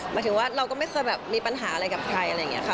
หมายถึงว่าเราก็ไม่เคยแบบมีปัญหาอะไรกับใครอะไรอย่างนี้ค่ะ